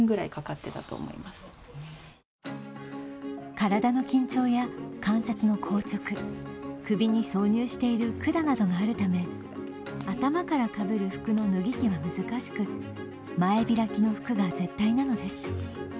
体の緊張や関節の硬直、首に挿入している管があるため、頭からかぶる服の脱ぎ着は難しく前開きの服が絶対なのです。